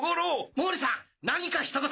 毛利さん何かひと言！